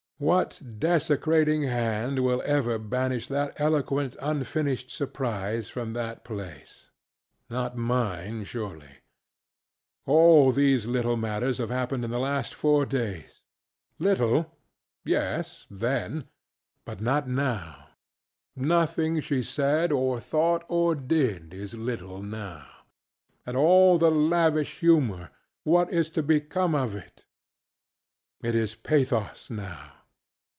What desecrating hand will ever banish that eloquent unfinished surprise from that place? Not mine, surely. All these little matters have happened in the last four days. ŌĆ£Little.ŌĆØ YesŌĆö_then_. But not now. Nothing she said or thought or did is little now. And all the lavish humor! ŌĆöwhat is become of it? It is pathos, now.